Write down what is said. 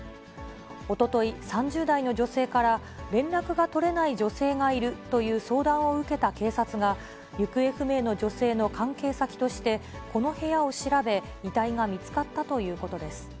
おととい、３０代の女性から連絡が取れない女性がいるという相談を受けた警察が、行方不明の女性の関係先として、この部屋を調べ、遺体が見つかったということです。